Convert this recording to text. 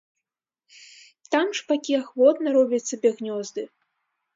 Там шпакі ахвотна робяць сабе гнёзды.